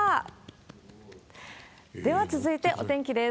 では続いてお天気です。